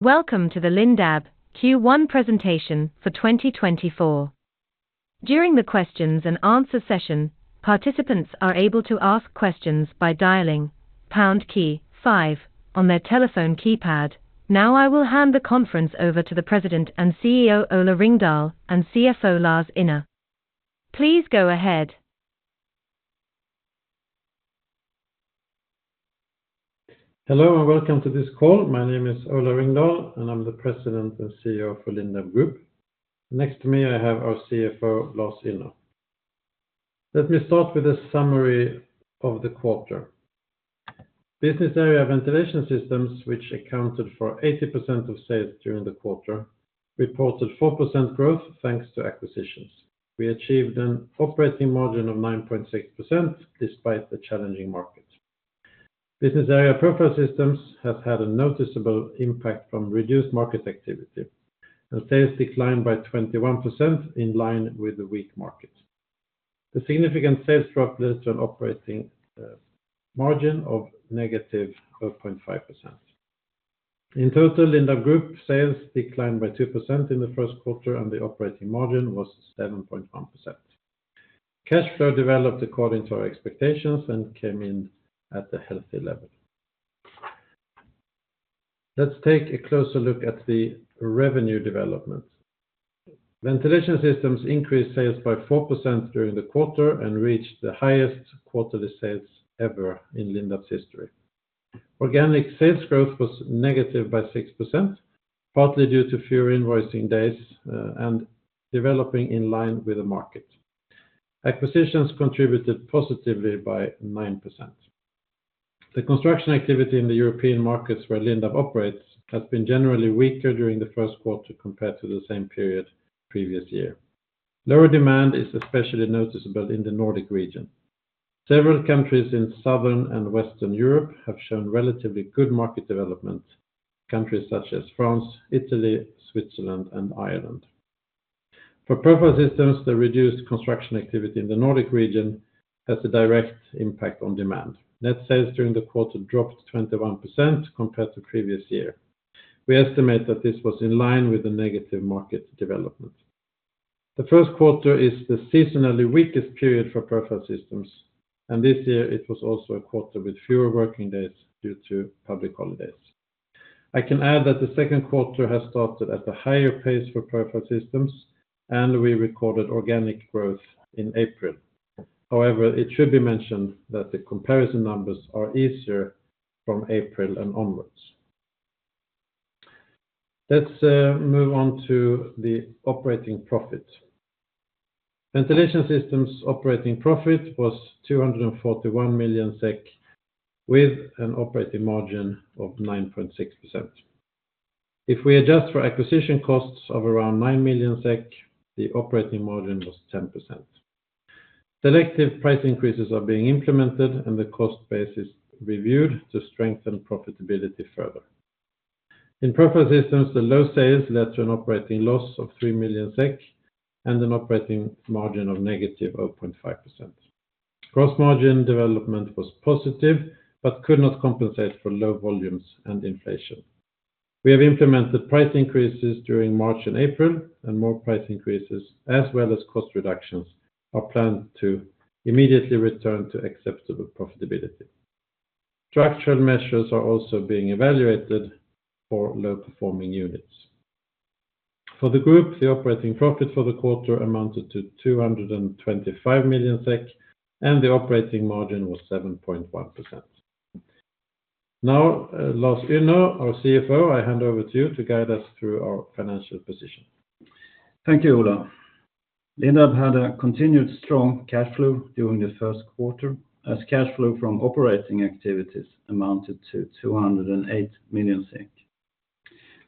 Welcome to the Lindab Q1 presentation for 2024. During the questions and answers session, participants are able to ask questions by dialing pound key five on their telephone keypad. Now I will hand the conference over to the President and CEO Ola Ringdahl and CFO Lars Ynner. Please go ahead. Hello and welcome to this call. My name is Ola Ringdahl, and I'm the President and CEO for Lindab Group. Next to me I have our CFO Lars Ynner. Let me start with a summary of the quarter. Business Area Ventilation Systems, which accounted for 80% of sales during the quarter, reported 4% growth thanks to acquisitions. We achieved an operating margin of 9.6% despite a challenging market. Business Area Profile Systems has had a noticeable impact from reduced market activity and sales declined by 21% in line with the weak market. The significant sales drop led to an operating margin of -0.5%. In total, Lindab Group sales declined by 2% in Q1, and the operating margin was 7.1%. Cash flow developed according to our expectations and came in at a healthy level. Let's take a closer look at the revenue development. Ventilation Systems increased sales by 4% during the quarter and reached the highest quarterly sales ever in Lindab's history. Organic sales growth was negative by 6%, partly due to fewer invoicing days and developing in line with the market. Acquisitions contributed positively by 9%. The construction activity in the European markets where Lindab operates has been generally weaker during Q1 compared to the same period previous year. Lower demand is especially noticeable in the Nordic region. Several countries in southern and western Europe have shown relatively good market development, countries such as France, Italy, Switzerland, and Ireland. For Profile Systems, the reduced construction activity in the Nordic region has a direct impact on demand. Net sales during the quarter dropped 21% compared to previous year. We estimate that this was in line with the negative market development. The Q1 is the seasonally weakest period for Profile Systems, and this year it was also a quarter with fewer working days due to public holidays. I can add that the second quarter has started at a higher pace for Profile Systems, and we recorded organic growth in April. However, it should be mentioned that the comparison numbers are easier from April and onwards. Let's move on to the operating profit. Ventilation Systems' operating profit was 241 million SEK, with an operating margin of 9.6%. If we adjust for acquisition costs of around 9 million SEK, the operating margin was 10%. Selective price increases are being implemented, and the cost base is reviewed to strengthen profitability further. In Profile Systems, the low sales led to an operating loss of 3 million SEK and an operating margin of -0.5%. Gross margin development was positive but could not compensate for low volumes and inflation. We have implemented price increases during March and April, and more price increases as well as cost reductions are planned to immediately return to acceptable profitability. Structural measures are also being evaluated for low-performing units. For the group, the operating profit for the quarter amounted to 225 million SEK, and the operating margin was 7.1%. Now, Lars Ynner, our CFO, I hand over to you to guide us through our financial position. Thank you, Ola. Lindab had a continued strong cash flow during the Q1, as cash flow from operating activities amounted to 208 million SEK.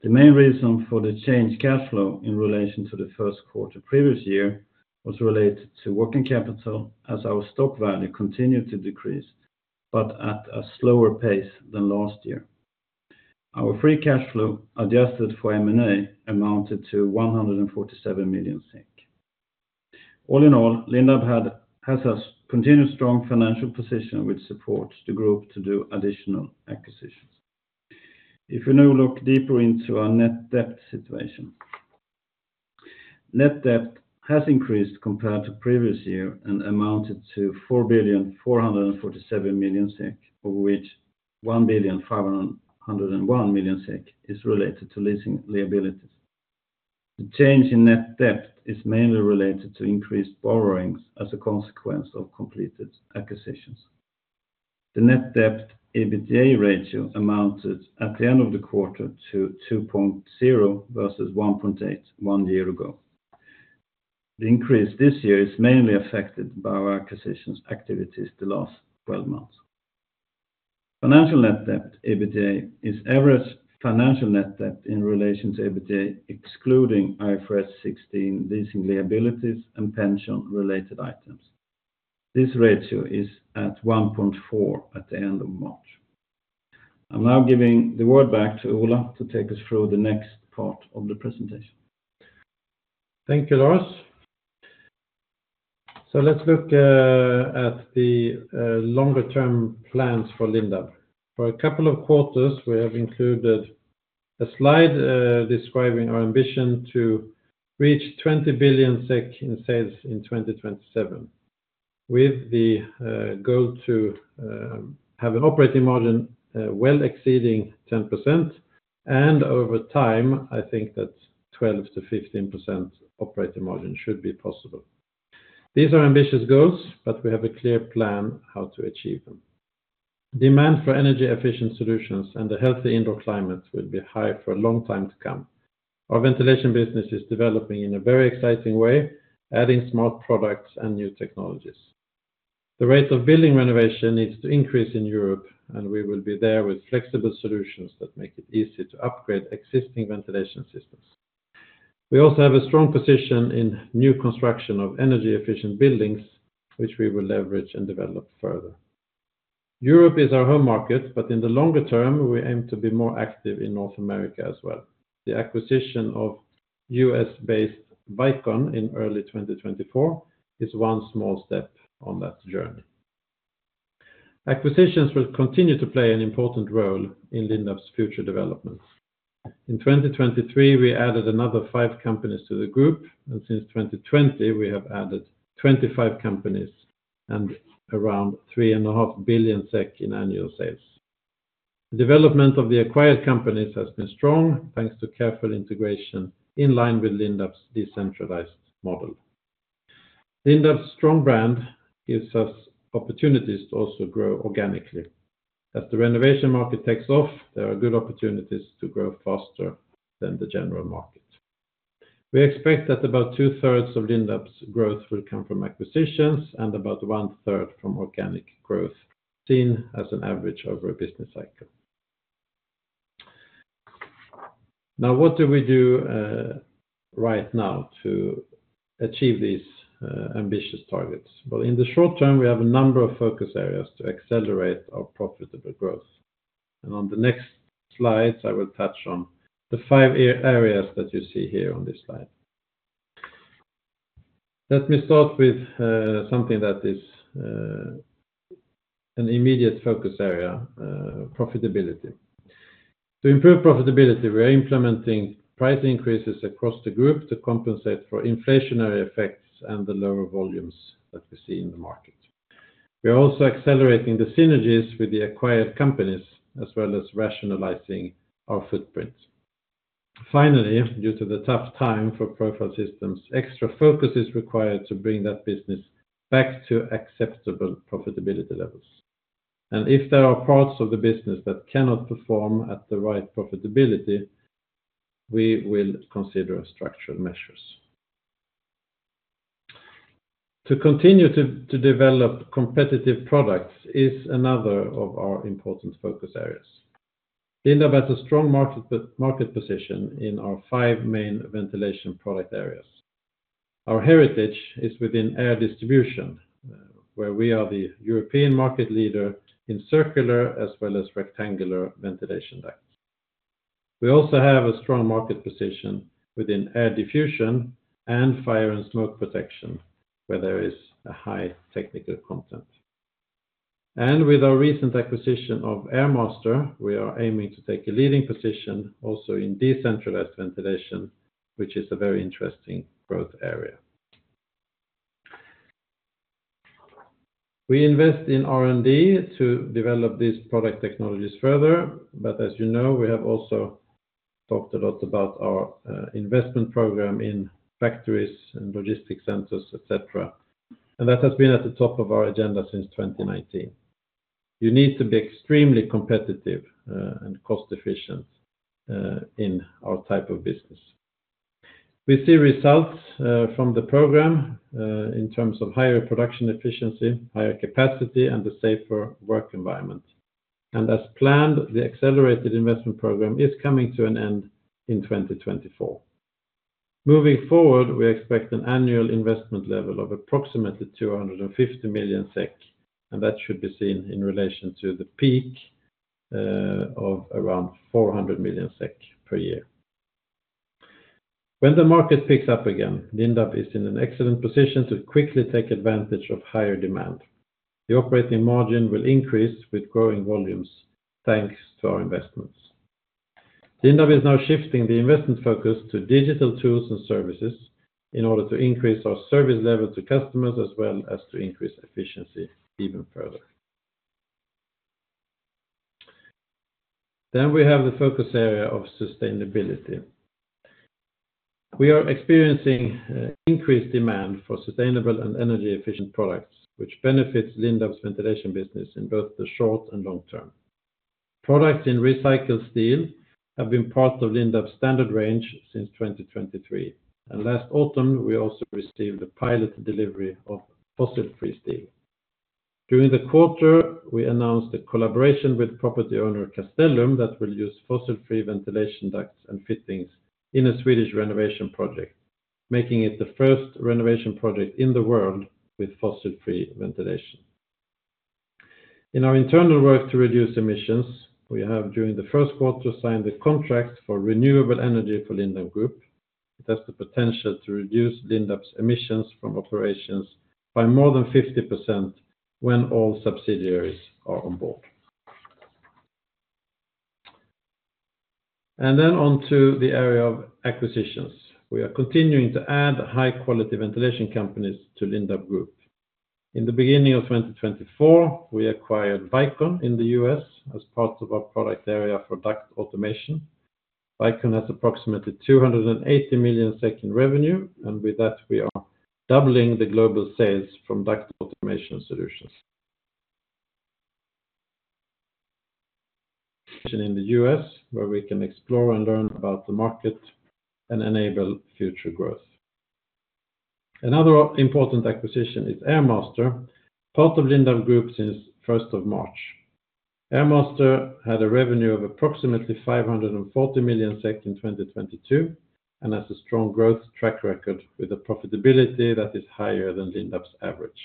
The main reason for the change in cash flow in relation to Q1 previous year was related to working capital, as our stock value continued to decrease but at a slower pace than last year. Our free cash flow adjusted for M&A amounted to 147 million. All in all, Lindab has a continued strong financial position, which supports the group to do additional acquisitions. If we now look deeper into our net debt situation, net debt has increased compared to previous year and amounted to 4,447 million SEK, of which 1,501 million is related to leasing liabilities. The change in net debt is mainly related to increased borrowings as a consequence of completed acquisitions. The net debt EBITDA ratio amounted at the end of the quarter to 2.0 versus 1.8 one year ago. The increase this year is mainly affected by our acquisitions activities the last 12 months. Financial net debt EBITDA is average financial net debt in relation to EBITDA excluding IFRS 16 leasing liabilities and pension-related items. This ratio is at 1.4 at the end of March. I'm now giving the word back to Ola to take us through the next part of the presentation. Thank you, Lars. Let's look at the longer-term plans for Lindab. For a couple of quarters, we have included a slide describing our ambition to reach 20 billion SEK in sales in 2027, with the goal to have an operating margin well exceeding 10%, and over time, I think that 12%-15% operating margin should be possible. These are ambitious goals, but we have a clear plan how to achieve them. Demand for energy-efficient solutions and a healthy indoor climate will be high for a long time to come. Our ventilation business is developing in a very exciting way, adding smart products and new technologies. The rate of building renovation needs to increase in Europe, and we will be there with flexible solutions that make it easy to upgrade existing ventilation systems. We also have a strong position in new construction of energy-efficient buildings, which we will leverage and develop further. Europe is our home market, but in the longer term, we aim to be more active in North America as well. The acquisition of U.S.-based Vicon in early 2024 is one small step on that journey. Acquisitions will continue to play an important role in Lindab's future development. In 2023, we added another five companies to the group, and since 2020, we have added 25 companies and around 3.5 billion SEK in annual sales. The development of the acquired companies has been strong thanks to careful integration in line with Lindab's decentralized model. Lindab's strong brand gives us opportunities to also grow organically. As the renovation market takes off, there are good opportunities to grow faster than the general market. We expect that about 2/3 of Lindab's growth will come from acquisitions and about 1/3 from organic growth, seen as an average over a business cycle. Now, what do we do right now to achieve these ambitious targets? Well, in the short term, we have a number of focus areas to accelerate our profitable growth. On the next slides, I will touch on the five areas that you see here on this slide. Let me start with something that is an immediate focus area: profitability. To improve profitability, we are implementing price increases across the group to compensate for inflationary effects and the lower volumes that we see in the market. We are also accelerating the synergies with the acquired companies as well as rationalizing our footprint. Finally, due to the tough time for Profile Systems, extra focus is required to bring that business back to acceptable profitability levels. If there are parts of the business that cannot perform at the right profitability, we will consider structural measures. To continue to develop competitive products is another of our important focus areas. Lindab has a strong market position in our five main ventilation product areas. Our heritage is within air distribution, where we are the European market leader in circular as well as rectangular ventilation ducts. We also have a strong market position within air diffusion and fire and smoke protection, where there is a high technical content. With our recent acquisition of Airmaster, we are aiming to take a leading position also in decentralized ventilation, which is a very interesting growth area. We invest in R&D to develop these product technologies further, but as you know, we have also talked a lot about our investment program in factories and logistics centers, etc., and that has been at the top of our agenda since 2019. You need to be extremely competitive and cost-efficient in our type of business. We see results from the program in terms of higher production efficiency, higher capacity, and a safer work environment. And as planned, the accelerated investment program is coming to an end in 2024. Moving forward, we expect an annual investment level of approximately 250 million SEK, and that should be seen in relation to the peak of around 400 million SEK per year. When the market picks up again, Lindab is in an excellent position to quickly take advantage of higher demand. The operating margin will increase with growing volumes thanks to our investments. Lindab is now shifting the investment focus to digital tools and services in order to increase our service level to customers as well as to increase efficiency even further. Then we have the focus area of sustainability. We are experiencing increased demand for sustainable and energy-efficient products, which benefits Lindab's ventilation business in both the short and long term. Products in recycled steel have been part of Lindab's standard range since 2023, and last autumn, we also received a pilot delivery of fossil-free steel. During the quarter, we announced a collaboration with property owner Castellum that will use fossil-free ventilation ducts and fittings in a Swedish renovation project, making it the first renovation project in the world with fossil-free ventilation. In our internal work to reduce emissions, we have, during the Q1, signed a contract for renewable energy for Lindab Group. It has the potential to reduce Lindab's emissions from operations by more than 50% when all subsidiaries are on board. Then onto the area of acquisitions. We are continuing to add high-quality ventilation companies to Lindab Group. In the beginning of 2024, we acquired Vicon in the U.S. as part of our product area for duct automation. Vicon has approximately 280 million in revenue, and with that, we are doubling the global sales from duct automation solutions. In the U.S., where we can explore and learn about the market and enable future growth. Another important acquisition is Airmaster, part of Lindab Group since 1st of March. Airmaster had a revenue of approximately 540 million SEK in 2022 and has a strong growth track record with a profitability that is higher than Lindab's average.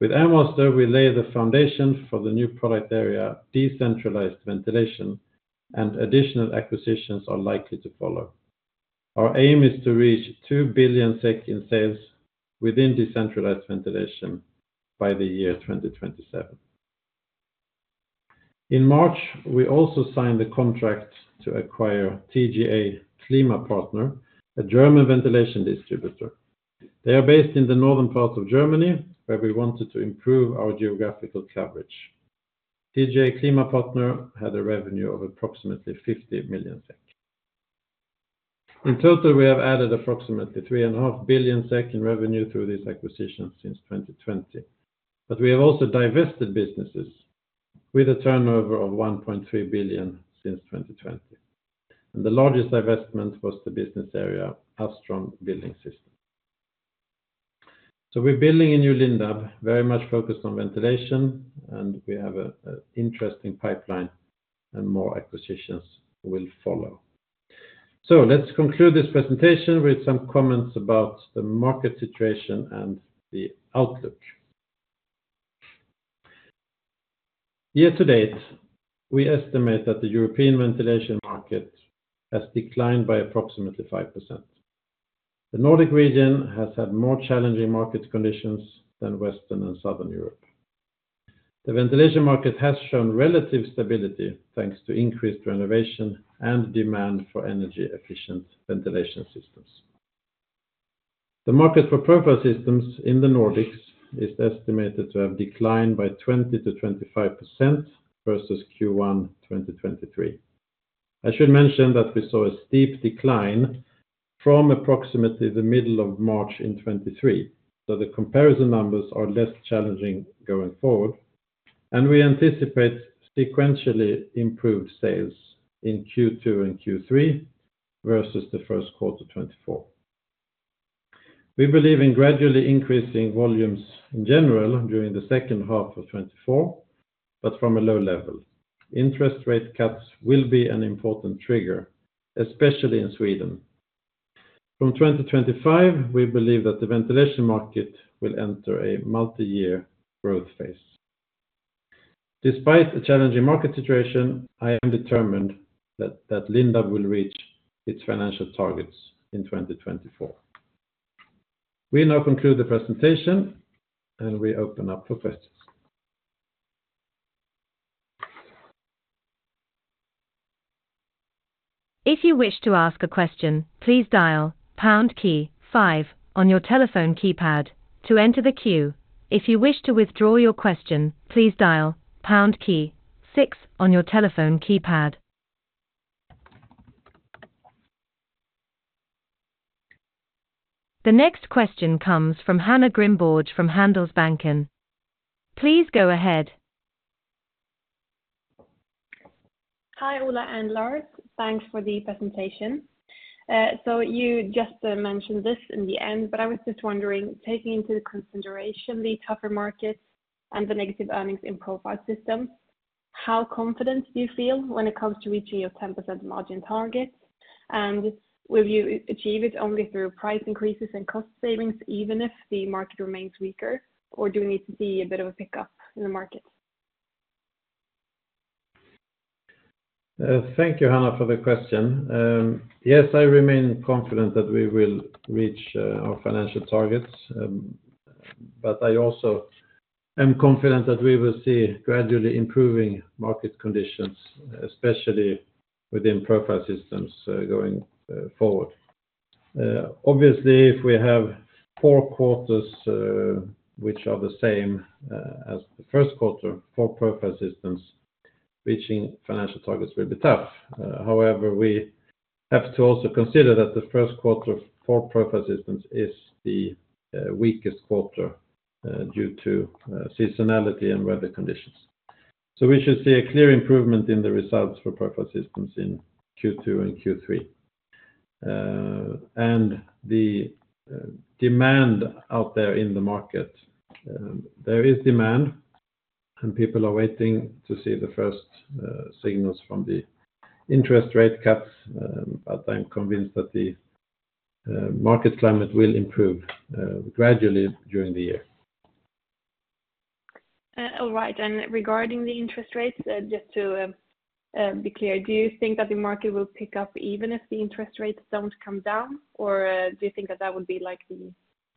With Airmaster, we lay the foundation for the new product area decentralized ventilation, and additional acquisitions are likely to follow. Our aim is to reach 2 billion SEK in sales within decentralized ventilation by the year 2027. In March, we also signed the contract to acquire TGA-KlimaPartner, a German ventilation distributor. They are based in the northern part of Germany, where we wanted to improve our geographical coverage. TGA-KlimaPartner had a revenue of approximately 50 million SEK. In total, we have added approximately 3.5 billion SEK in revenue through these acquisitions since 2020, but we have also divested businesses with a turnover of 1.3 billion since 2020, and the largest divestment was the business area Astron Building Systems. So we're building a new Lindab very much focused on ventilation, and we have an interesting pipeline, and more acquisitions will follow. So let's conclude this presentation with some comments about the market situation and the outlook. Year to date, we estimate that the European ventilation market has declined by approximately 5%. The Nordic region has had more challenging market conditions than Western and Southern Europe. The ventilation market has shown relative stability thanks to increased renovation and demand for energy-efficient ventilation systems. The market for Profile Systems in the Nordics is estimated to have declined by 20%-25% versus Q1 2023. I should mention that we saw a steep decline from approximately the middle of March in 2023, so the comparison numbers are less challenging going forward, and we anticipate sequentially improved sales in Q2 and Q3 versus Q1 2024. We believe in gradually increasing volumes in general during the second half of 2024, but from a low level. Interest rate cuts will be an important trigger, especially in Sweden. From 2025, we believe that the ventilation market will enter a multi-year growth phase. Despite a challenging market situation, I am determined that Lindab will reach its financial targets in 2024. We now conclude the presentation, and we open up for questions. If you wish to ask a question, please dial pound key five on your telephone keypad to enter the queue. If you wish to withdraw your question, please dial pound key six on your telephone keypad. The next question comes from Hanna Grimborg from Handelsbanken. Please go ahead. Hi Ola and Lars, thanks for the presentation. So you just mentioned this in the end, but I was just wondering, taking into consideration the tougher markets and the negative earnings in Profile Systems, how confident do you feel when it comes to reaching your 10% margin target? And will you achieve it only through price increases and cost savings even if the market remains weaker, or do we need to see a bit of a pickup in the market? Thank you, Hanna, for the question. Yes, I remain confident that we will reach our financial targets, but I also am confident that we will see gradually improving market conditions, especially within Profile Systems going forward. Obviously, if we have four quarters which are the same as the Q1 for Profile Systems, reaching financial targets will be tough. However, we have to also consider that the Q1 for Profile Systems is the weakest quarter due to seasonality and weather conditions. So we should see a clear improvement in the results for Profile Systems in Q2 and Q3. And the demand out there in the market, there is demand, and people are waiting to see the first signals from the interest rate cuts, but I'm convinced that the market climate will improve gradually during the year. All right. Regarding the interest rates, just to be clear, do you think that the market will pick up even if the interest rates don't come down, or do you think that that would be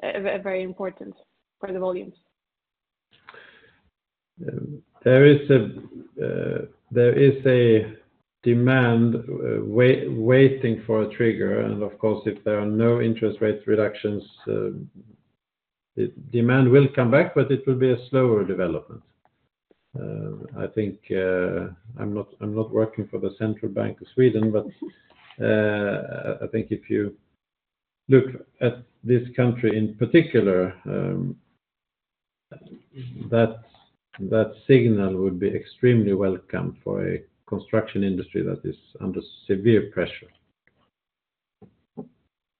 very important for the volumes? There is a demand waiting for a trigger, and of course, if there are no interest rate reductions, demand will come back, but it will be a slower development. I think I'm not working for the central bank of Sweden, but I think if you look at this country in particular, that signal would be extremely welcome for a construction industry that is under severe pressure.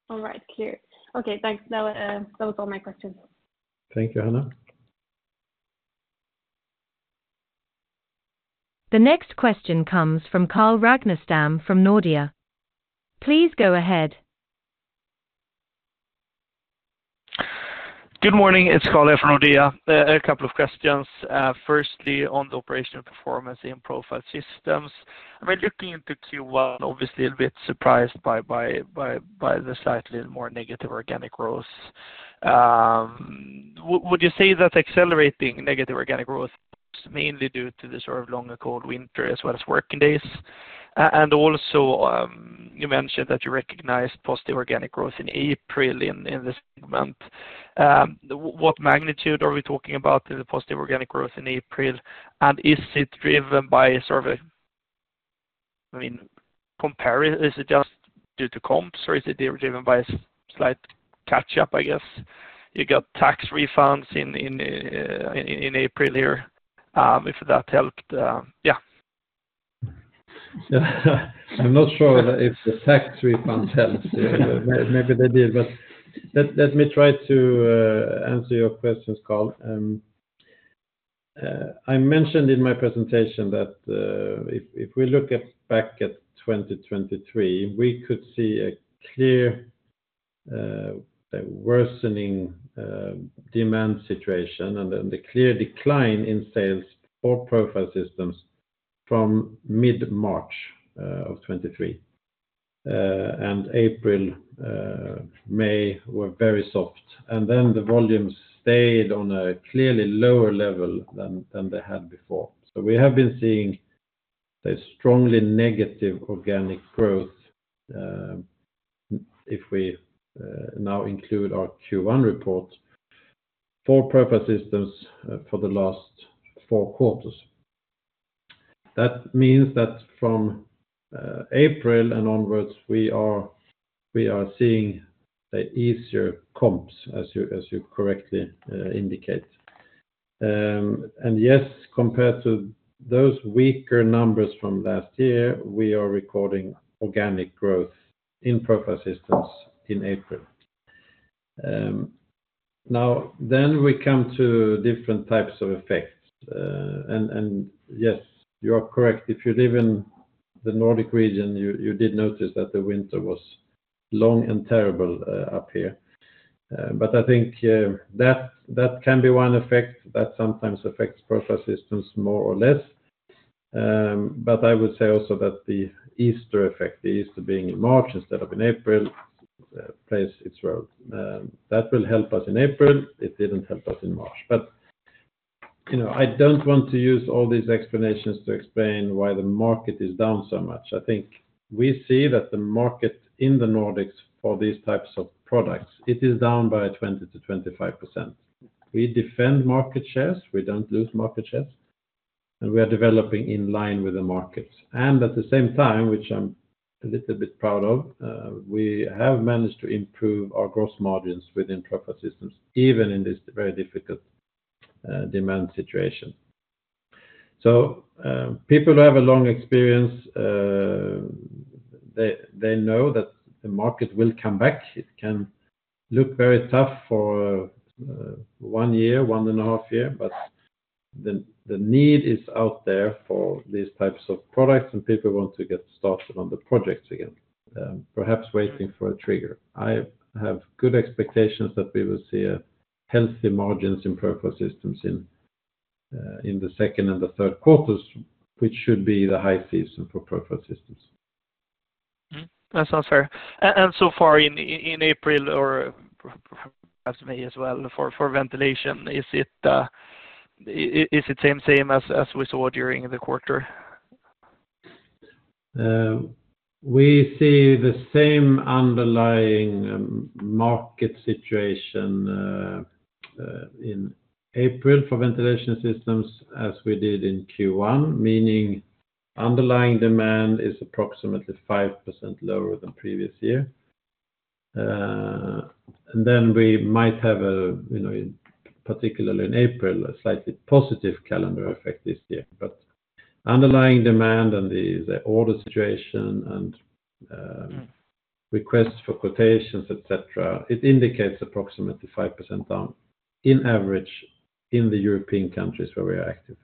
All right, clear. Okay, thanks. That was all my questions. Thank you, Hanna. The next question comes from Carl Ragnerstam from Nordea. Please go ahead. Good morning. It's Carl here from Nordea. A couple of questions. Firstly, on the operational performance in Profile Systems. I mean, looking into Q1, obviously a bit surprised by the slightly more negative organic growth. Would you say that accelerating negative organic growth is mainly due to the sort of longer cold winter as well as working days? And also, you mentioned that you recognized positive organic growth in April in the segment. What magnitude are we talking about in the positive organic growth in April, and is it driven by sort of a I mean, is it just due to comps, or is it driven by a slight catch-up, I guess? You got tax refunds in April here. If that helped, yeah. I'm not sure if the tax refunds helped. Maybe they did, but let me try to answer your questions, Carl. I mentioned in my presentation that if we look back at 2023, we could see a clear worsening demand situation and then the clear decline in sales for Profile Systems from mid-March of 2023. April, May were very soft, and then the volumes stayed on a clearly lower level than they had before. So we have been seeing a strongly negative organic growth if we now include our Q1 report for Profile Systems for the last four quarters. That means that from April and onwards, we are seeing easier comps, as you correctly indicate. And yes, compared to those weaker numbers from last year, we are recording organic growth in Profile Systems in April. Now, then we come to different types of effects. And yes, you are correct. If you live in the Nordic region, you did notice that the winter was long and terrible up here. But I think that can be one effect that sometimes affects Profile Systems more or less. But I would say also that the Easter effect, the Easter being in March instead of in April, plays its role. That will help us in April. It didn't help us in March. But I don't want to use all these explanations to explain why the market is down so much. I think we see that the market in the Nordics for these types of products, it is down by 20%-25%. We defend market shares. We don't lose market shares, and we are developing in line with the markets. At the same time, which I'm a little bit proud of, we have managed to improve our gross margins within Profile Systems, even in this very difficult demand situation. So people who have a long experience, they know that the market will come back. It can look very tough for one year, 1.5 year, but the need is out there for these types of products, and people want to get started on the projects again, perhaps waiting for a trigger. I have good expectations that we will see healthy margins in Profile Systems in the second and the third quarters, which should be the high season for Profile Systems. That's all fair. So far in April or perhaps May as well for ventilation, is it same as we saw during the quarter? We see the same underlying market situation in April for ventilation systems as we did in Q1, meaning underlying demand is approximately 5% lower than previous year. And then we might have, particularly in April, a slightly positive calendar effect this year. But underlying demand and the order situation and requests for quotations, etc., it indicates approximately 5% down in average in the European countries where we are active.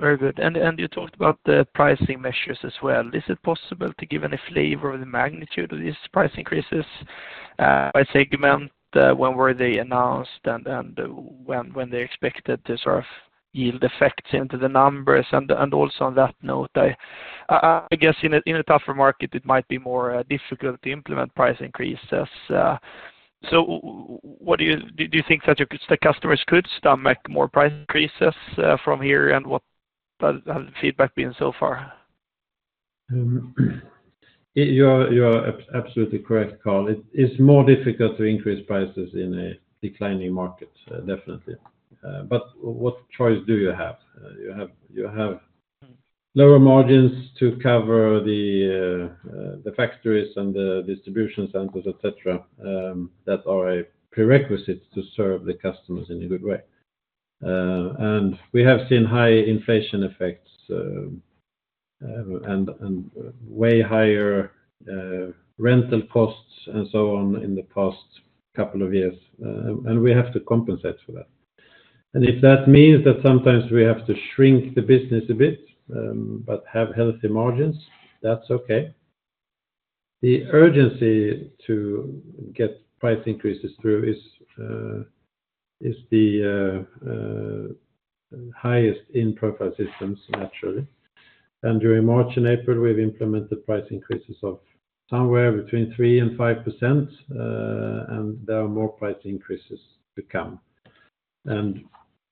Very good. And you talked about the pricing measures as well. Is it possible to give any flavor of the magnitude of these price increases by segment? When were they announced, and when they expected to sort of yield effects into the numbers? And also on that note, I guess in a tougher market, it might be more difficult to implement price increases. So do you think that the customers could stomach more price increases from here? And what has the feedback been so far? You are absolutely correct, Carl. It is more difficult to increase prices in a declining market, definitely. But what choice do you have? You have lower margins to cover the factories and the distribution centers, etc., that are a prerequisite to serve the customers in a good way. And we have seen high inflation effects and way higher rental costs and so on in the past couple of years, and we have to compensate for that. And if that means that sometimes we have to shrink the business a bit but have healthy margins, that's okay. The urgency to get price increases through is the highest in Profile Systems, naturally. And during March and April, we've implemented price increases of somewhere between 3%-5%, and there are more price increases to come.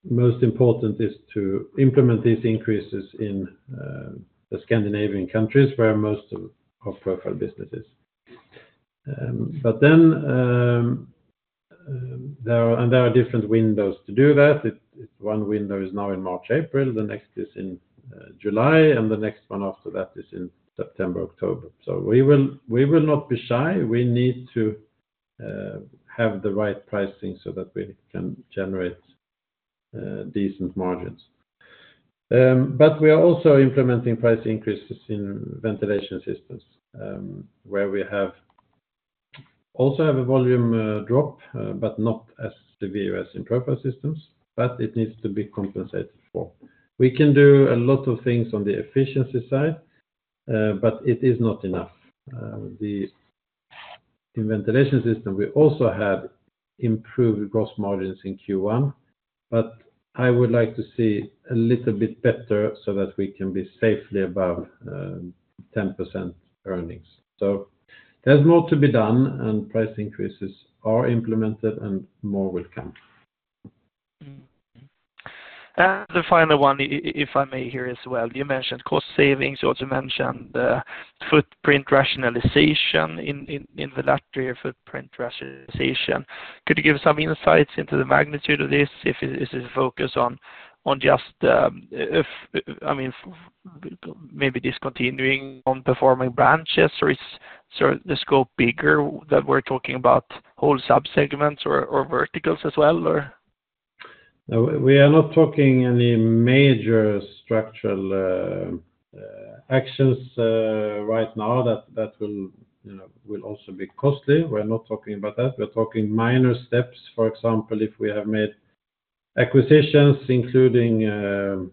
Most important is to implement these increases in the Scandinavian countries where most of Profile business is. There are different windows to do that. One window is now in March, April. The next is in July, and the next one after that is in September, October. So we will not be shy. We need to have the right pricing so that we can generate decent margins. But we are also implementing price increases in Ventilation Systems where we also have a volume drop, but not as severe as in Profile Systems, but it needs to be compensated for. We can do a lot of things on the efficiency side, but it is not enough. In Ventilation Systems, we also had improved gross margins in Q1, but I would like to see a little bit better so that we can be safely above 10% earnings. There's more to be done, and price increases are implemented, and more will come. The final one, if I may hear as well, you mentioned cost savings. You also mentioned footprint rationalization in the last year, footprint rationalization. Could you give some insights into the magnitude of this? Is this a focus on just, I mean, maybe discontinuing non-performing branches, or is the scope bigger that we're talking about whole subsegments or verticals as well, or? We are not talking any major structural actions right now that will also be costly. We're not talking about that. We're talking minor steps. For example, if we have made acquisitions, including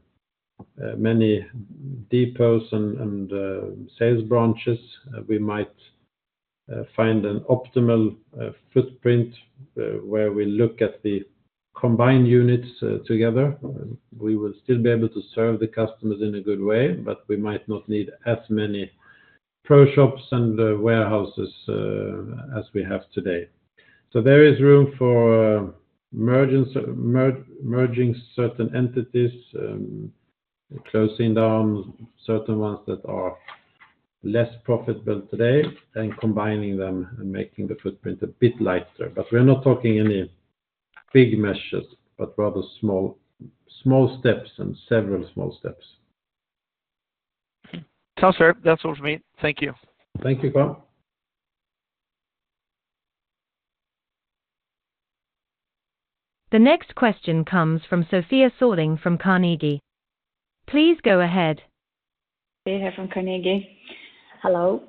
many depots and sales branches, we might find an optimal footprint where we look at the combined units together. We will still be able to serve the customers in a good way, but we might not need as many ProShops and warehouses as we have today. So there is room for merging certain entities, closing down certain ones that are less profitable today, and combining them and making the footprint a bit lighter. But we're not talking any big measures, but rather small steps and several small steps. Sounds fair. That's all from me. Thank you. Thank you, Carl. The next question comes from Sofia Sörling from Carnegie. Please go ahead. Hey, here from Carnegie. Hello.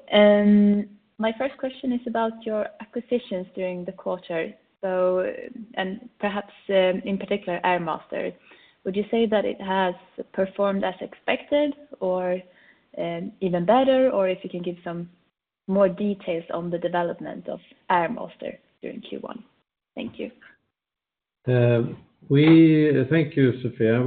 My first question is about your acquisitions during the quarter, and perhaps in particular, Airmaster. Would you say that it has performed as expected or even better, or if you can give some more details on the development of Airmaster during Q1? Thank you. Thank you, Sofia.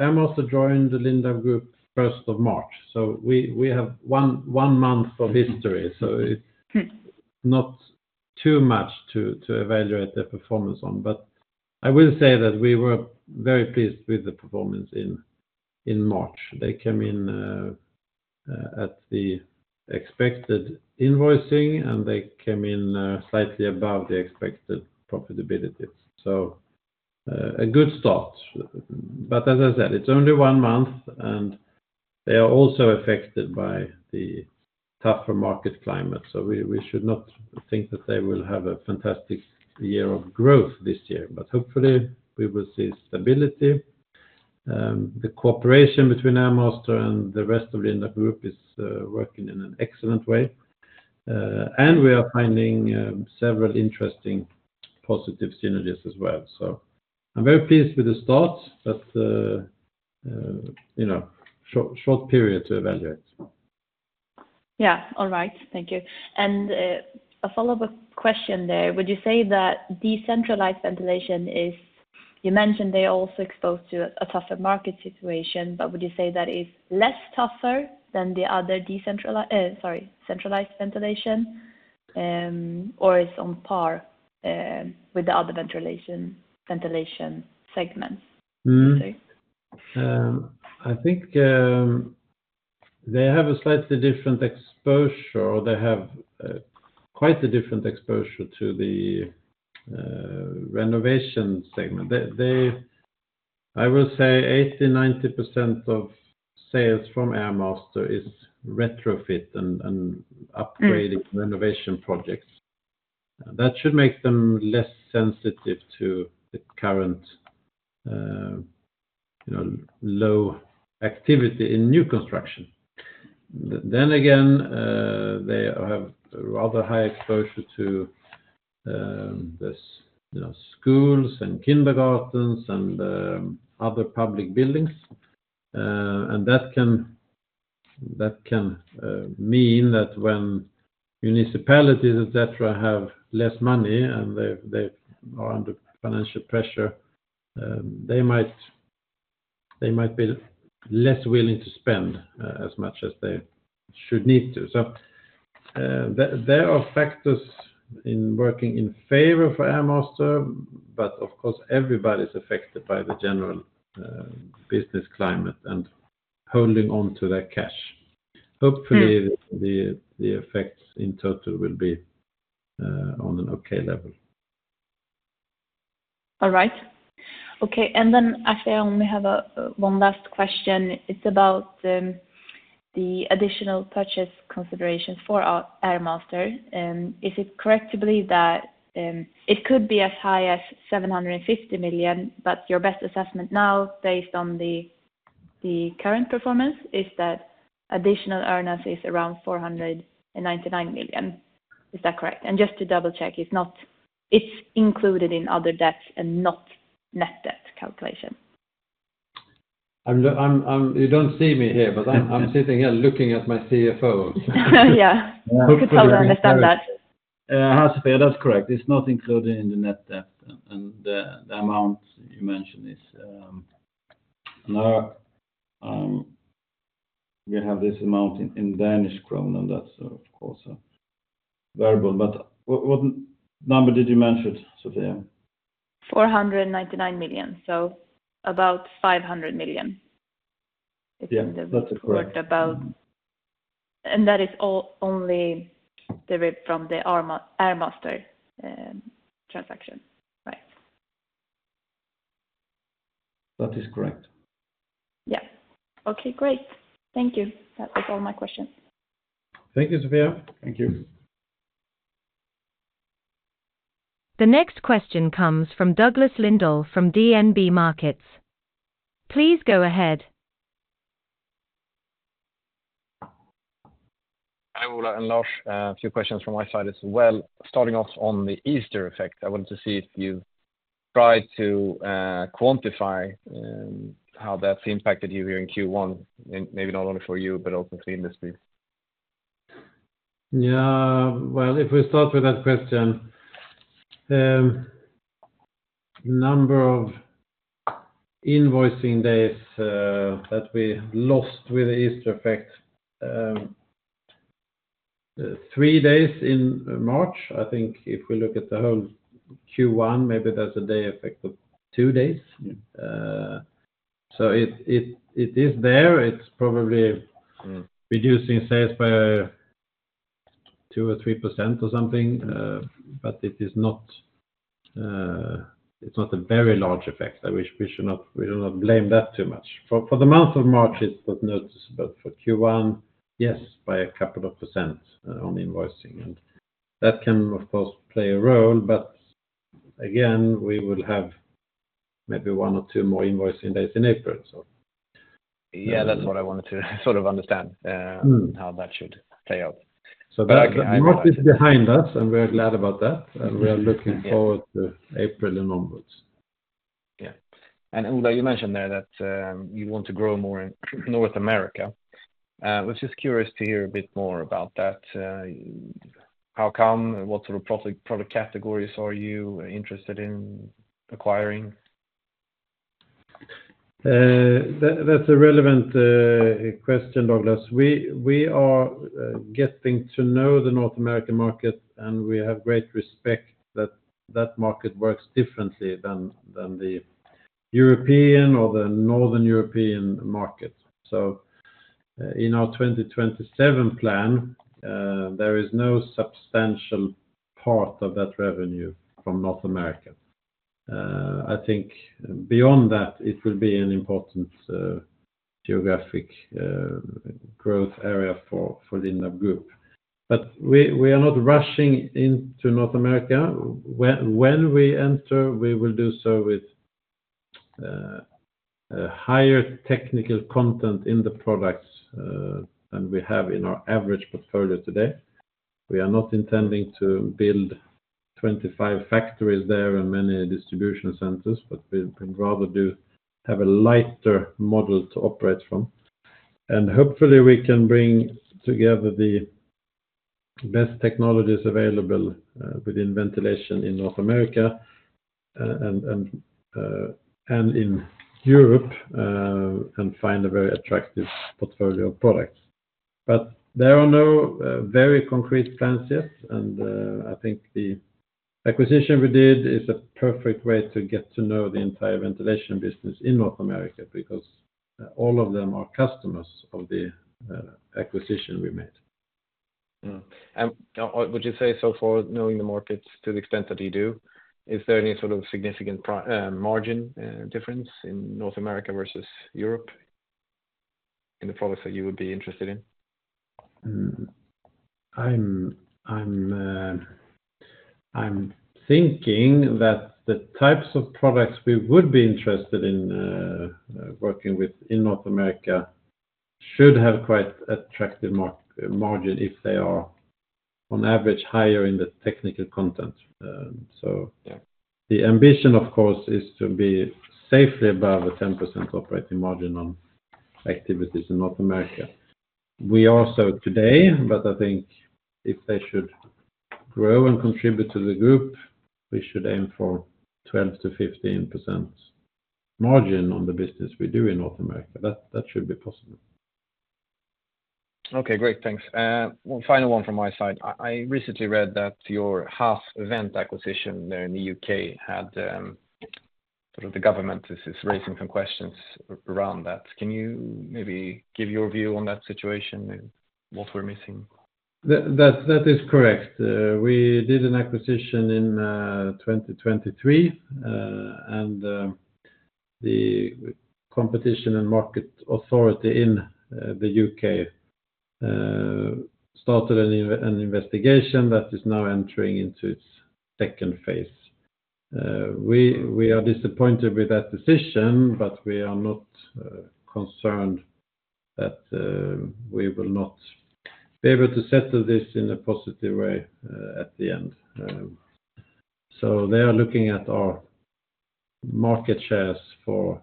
Airmaster joined the Lindab Group 1st of March. So we have one month of history, so it's not too much to evaluate the performance on. But I will say that we were very pleased with the performance in March. They came in at the expected invoicing, and they came in slightly above the expected profitability. So a good start. But as I said, it's only one month, and they are also affected by the tougher market climate. So we should not think that they will have a fantastic year of growth this year, but hopefully, we will see stability. The cooperation between Airmaster and the rest of Lindab Group is working in an excellent way, and we are finding several interesting positive synergies as well. So I'm very pleased with the start, but short period to evaluate. Yeah. All right. Thank you. And a follow-up question there. Would you say that decentralized ventilation is, you mentioned they are also exposed to a tougher market situation, but would you say that is less tougher than the other decentralized, sorry, centralized ventilation, or it's on par with the other ventilation segments? I think they have a slightly different exposure, or they have quite a different exposure to the renovation segment. I will say 80%-90% of sales from Airmaster is retrofit and upgrading renovation projects. That should make them less sensitive to the current low activity in new construction. Then again, they have rather high exposure to schools and kindergartens and other public buildings. That can mean that when municipalities, etc., have less money and they are under financial pressure, they might be less willing to spend as much as they should need to. So there are factors in working in favor for Airmaster, but of course, everybody's affected by the general business climate and holding on to their cash. Hopefully, the effects in total will be on an okay level. All right. Okay. And then actually, I only have one last question. It's about the additional purchase considerations for Airmaster. Is it correct to believe that it could be as high as 750 million, but your best assessment now based on the current performance is that additional earnings is around 499 million? Is that correct? And just to double-check, it's included in other debts and not net debt calculation? You don't see me here, but I'm sitting here looking at my CFOs. Yeah. I could totally understand that. Hi, Sofia. That's correct. It's not included in the net debt, and the amount you mentioned is now, we have this amount in Danish krone, and that's, of course, variable. But what number did you mention, Sofia? 499 million, so about 500 million. It's in the report about and that is only derived from the Airmaster transaction, right? That is correct. Yeah. Okay. Great. Thank you. That was all my questions. Thank you, Sofia. Thank you. The next question comes from Douglas Lindahl from DNB Markets. Please go ahead. Hi, Ola and Lars. A few questions from my side as well. Starting off on the Easter effect, I wanted to see if you tried to quantify how that's impacted you here in Q1, maybe not only for you, but also for the industry. Yeah. Well, if we start with that question, the number of invoicing days that we lost with the Easter effect, three days in March, I think if we look at the whole Q1, maybe there's a day effect of two days. So it is there. It's probably reducing sales by 2%-3% or something, but it's not a very large effect. We should not blame that too much. For the month of March, it's not noticeable. For Q1, yes, by a couple of percent on invoicing. And that can, of course, play a role, but again, we will have maybe one or two more invoicing days in April, so. Yeah. That's what I wanted to sort of understand, how that should play out. That March is behind us, and we are glad about that. We are looking forward to April and onwards. Yeah. Ola, you mentioned there that you want to grow more in North America. We're just curious to hear a bit more about that. How come? What sort of product categories are you interested in acquiring? That's a relevant question, Douglas. We are getting to know the North American market, and we have great respect that that market works differently than the European or the Northern European market. So in our 2027 plan, there is no substantial part of that revenue from North America. I think beyond that, it will be an important geographic growth area for Lindab Group. But we are not rushing into North America. When we enter, we will do so with higher technical content in the products than we have in our average portfolio today. We are not intending to build 25 factories there and many distribution centers, but we'd rather have a lighter model to operate from. And hopefully, we can bring together the best technologies available within ventilation in North America and in Europe and find a very attractive portfolio of products. But there are no very concrete plans yet. I think the acquisition we did is a perfect way to get to know the entire ventilation business in North America because all of them are customers of the acquisition we made. Would you say, so far knowing the markets to the extent that you do, is there any sort of significant margin difference in North America versus Europe in the products that you would be interested in? I'm thinking that the types of products we would be interested in working with in North America should have quite attractive margin if they are, on average, higher in the technical content. So the ambition, of course, is to be safely above a 10% operating margin on activities in North America. We are so today, but I think if they should grow and contribute to the group, we should aim for 12%-15% margin on the business we do in North America. That should be possible. Okay. Great. Thanks. One final one from my side. I recently read that your HAS-Vent acquisition there in the U.K. had sort of the government is raising some questions around that. Can you maybe give your view on that situation, what we're missing? That is correct. We did an acquisition in 2023, and the Competition and Markets Authority in the U.K. started an investigation that is now entering into its second phase. We are disappointed with that decision, but we are not concerned that we will not be able to settle this in a positive way at the end. So they are looking at our market shares for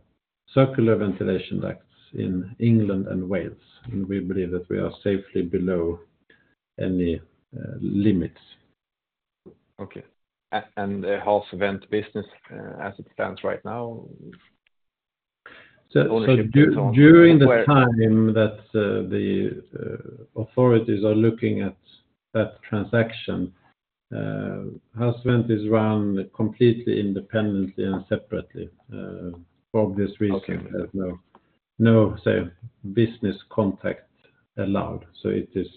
circular ventilation ducts in England and Wales, and we believe that we are safely below any limits. Okay. And the HAS-Vent business, as it stands right now, only takes on. So during the time that the authorities are looking at that transaction, HAS-Vent is run completely independently and separately for obvious reasons. There's no business contact allowed. So it is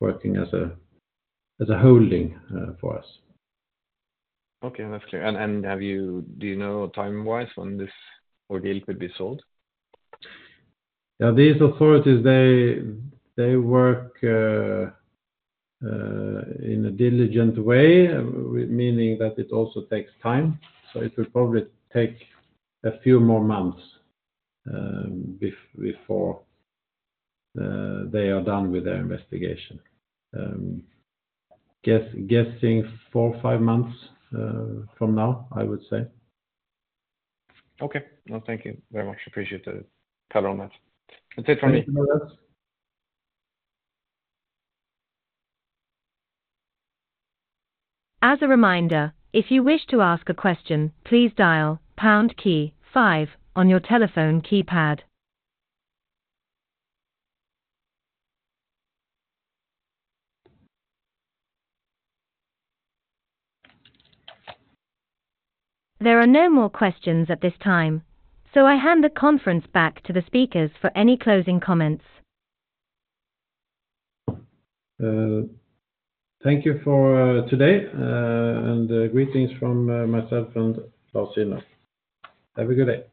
working as a holding for us. Okay. That's clear. Do you know timewise when this ordeal could be sold? Yeah. These authorities, they work in a diligent way, meaning that it also takes time. So it will probably take a few more months before they are done with their investigation. Guessing four or five months from now, I would say. Okay. No, thank you very much. Appreciate the color on that. That's it from me. Thank you, Douglas. As a reminder, if you wish to ask a question, please dial pound key five on your telephone keypad. There are no more questions at this time, so I hand the conference back to the speakers for any closing comments. Thank you for today, and greetings from myself and Lars Ynner. Have a good day. Goodbye.